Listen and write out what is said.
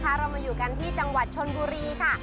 เรามาอยู่กันที่จังหวัดชนบุรีค่ะ